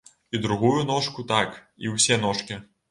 І другую ножку так, і ўсе ножкі.